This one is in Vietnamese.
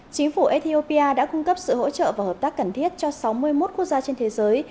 chính phủ ethiopia đã cung cấp sự hỗ trợ và hợp tác cần thiết cho sáu mươi một quốc gia trên thế giới